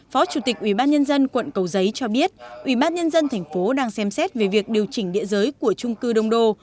phó chủ tịch ủy ban nhân dân quận cầu giấy cho biết ủy ban nhân dân thành phố đang xem xét về việc điều chỉnh địa giới của trung cư đông đô